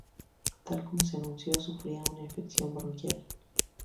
Tal como se anunció, sufría una infección bronquial.